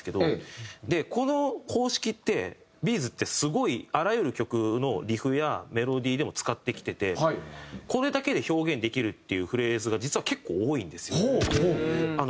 でこの方式ってＢ’ｚってすごいあらゆる曲のリフやメロディーでも使ってきていてこれだけで表現できるっていうフレーズが実は結構多いんですよ。